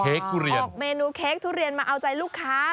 ออกเมนูเค้กทุเรียนมาเอาใจลูกค้า